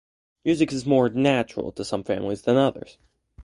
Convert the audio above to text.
Music is more natural to some families than to others.